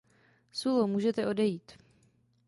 Sullo, můžete odejít.